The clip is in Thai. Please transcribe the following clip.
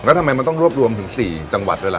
แล้วทำไมมันต้องรวบรวมถึง๔จังหวัดด้วยล่ะ